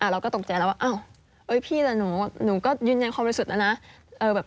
เราก็ตกใจแล้วว่าพี่แต่หนูก็ยืนยังความรู้สึกแล้วนะ